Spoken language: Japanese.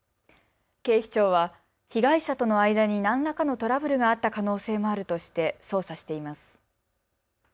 警視庁は被害者との間に何らかのトラブルがあった可能性もあるとして捜査しています。